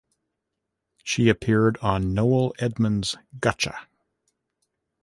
She appeared on Noel Edmonds - Gotcha!